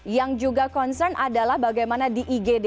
yang juga concern adalah bagaimana di igd